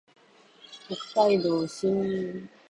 北海道真狩村